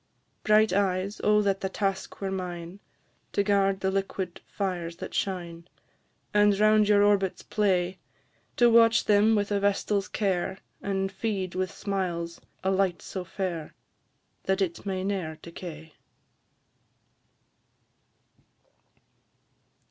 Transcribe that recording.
Bright eyes! O that the task were mine, To guard the liquid fires that shine, And round your orbits play To watch them with a vestal's care, And feed with smiles a light so fair, That it may ne'er decay!